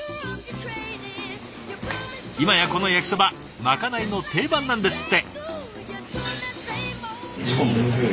今やこの焼きそばまかないの定番なんですって。